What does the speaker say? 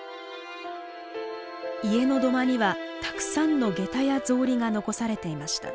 家の土間にはたくさんの下駄や草履が残されていました。